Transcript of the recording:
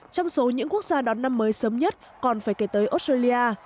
trong số những quốc gia đón năm mới sớm nhất còn phải kể tới australia